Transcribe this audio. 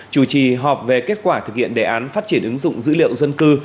chủ trì họp về kết quả thực hiện đề án phát triển ứng dụng dữ liệu dân cư